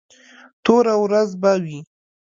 توره ورځ به وي.